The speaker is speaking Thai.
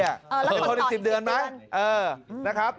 แล้วต้องต่ออีก๑๐เดือนไหม